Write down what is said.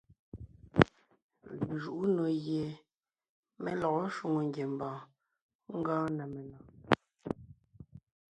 Lejuʼú nò gie mé lɔgɔ shwòŋo ngiembɔɔn gɔɔn na menɔ̀ɔn.